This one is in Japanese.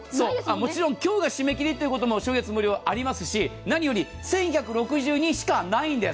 もちろん、今日が締め切りというのは、初月無料もありますし何より、１１６２しかないんです。